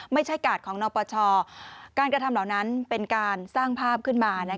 ไม่ใช่กาดของนปชการกระทำเหล่านั้นเป็นการสร้างภาพขึ้นมา